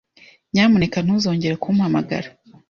Nyamuneka ntuzongere kumpamagara.